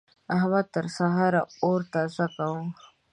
احمد تر سهار اور تازه کاوو.